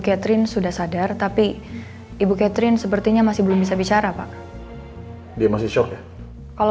catherine sudah sadar tapi ibu catherine sepertinya masih belum bisa bicara pak dia masih short ya kalau